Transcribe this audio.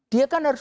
dia kan harus